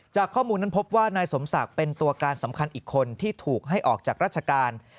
ข้อมูลนั้นพบว่านายสมศักดิ์เป็นตัวการสำคัญอีกคนที่ถูกให้ออกจากราชการ